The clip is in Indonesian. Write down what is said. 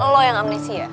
lo yang amnesia